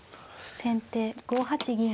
先手５八銀打。